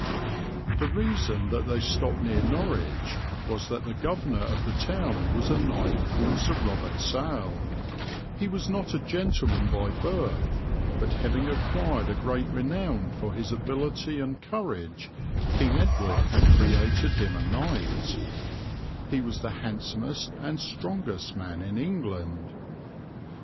"The reason that they stopped near Norwich was that the Governor of the town was a knight called Sir Robert Salle: he was not a gentleman by birth, but having acquired great renown for his ability and courage King Edward had created him a knight: he was the handsomest and strongest man in England.